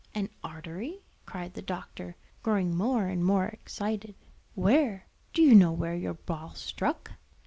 "An artery?" cried the doctor, growing more and more excited; "where? do you know where your ball struck?"